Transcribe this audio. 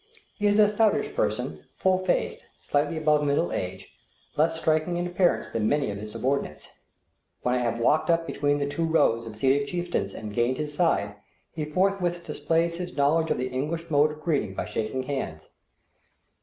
He is a stoutish person, full faced, slightly above middle age, less striking in appearance than many of his subordinates. When I have walked up between the two rows of seated chieftains and gained his side, he forthwith displays his knowledge of the English mode of greeting by shaking hands.